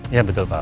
ya betul pak al